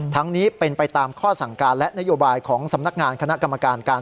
ทั้งนี้เป็นไปตามข้อสั่งการและนโยบายของสำนักงานคณะกรรมการการ